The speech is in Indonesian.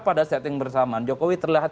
pada setting bersamaan jokowi terlihat